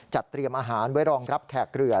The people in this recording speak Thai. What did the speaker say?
เตรียมอาหารไว้รองรับแขกเรือ